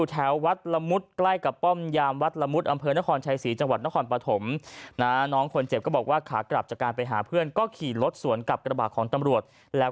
แล้วพ่อผมขี่ก็ใกล้จะถึงรถเขาแล้ว